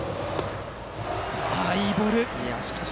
いいボール。